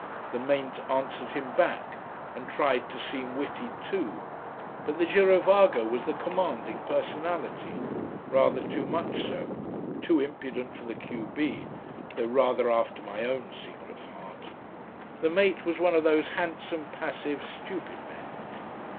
The mate answered him back, and tried to seem witty too. But the girovago was the commanding personality! rather too much so: too impudent for the q b, though rather after my own secret heart. The mate was one of those handsome, passive, stupid men.